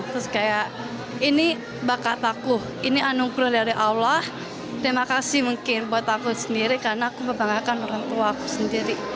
terus kayak ini bakat aku ini anugerah dari allah terima kasih mungkin buat aku sendiri karena aku membanggakan orang tua aku sendiri